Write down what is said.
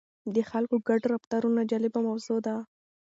د خلکو ګډ رفتارونه جالبه موضوع ده.